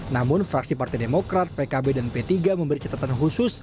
namun fraksi partai demokrat pkb dan p tiga memberi catatan khusus